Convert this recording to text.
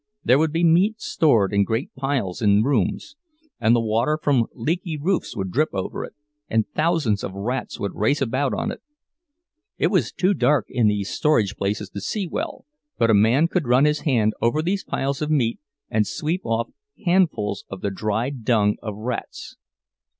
There would be meat stored in great piles in rooms; and the water from leaky roofs would drip over it, and thousands of rats would race about on it. It was too dark in these storage places to see well, but a man could run his hand over these piles of meat and sweep off handfuls of the dried dung of rats.